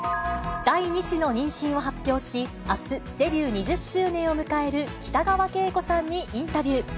第２子の妊娠を発表し、あす、デビュー２０周年を迎える北川景子さんにインタビュー。